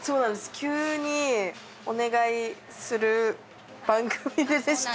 急にお願いする番組でして。